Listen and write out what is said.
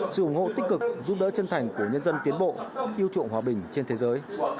sự ủng hộ tích cực giúp đỡ chân thành của nhân dân tiến bộ yêu chuộng hòa bình trên thế giới